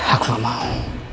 aku gak mau